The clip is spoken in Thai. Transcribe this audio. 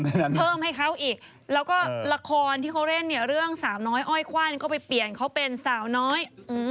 เพิ่มให้เขาอีกแล้วก็ละครที่เขาเล่นเนี่ยเรื่องสาวน้อยอ้อยคว่านก็ไปเปลี่ยนเขาเป็นสาวน้อย